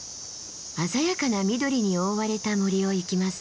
鮮やかな緑に覆われた森を行きます。